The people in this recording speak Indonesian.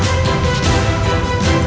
aku akan pergi ke istana yang lain